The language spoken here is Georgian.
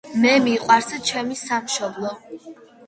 მე მიყვარს ჩემი სამშობლო